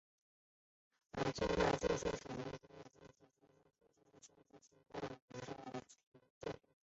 静脉注射毒蕈碱可以引发急性循环衰竭至心脏骤停。